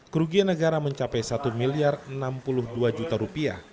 kerugian negara mencapai rp satu enam puluh dua